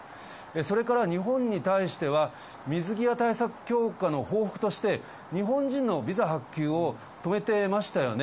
それから日本に対しては、水際対策強化の報復として、日本人のビザ発給を止めてましたよね。